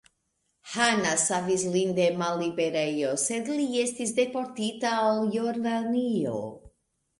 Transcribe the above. Hanna savis lin de malliberejo, sed li estis deportita al Jordanio.